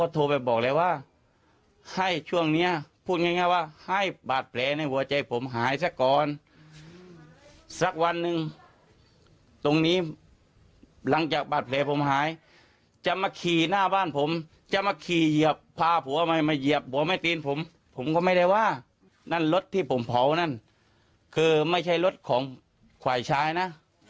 ตัวนั้นคือไม่ใช่รถของขวายชายนะ